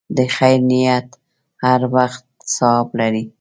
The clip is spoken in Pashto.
د خیر نیت هر وخت ثواب لري.